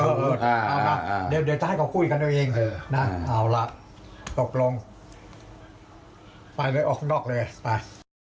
เออเอาล่ะเดี๋ยวจะให้เขากลุ่มกันด้วยเองเออเอาล่ะตกลงไปเลยออกนอกเลยไป